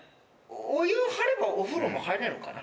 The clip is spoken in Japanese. お湯をはればお風呂も入れるかな。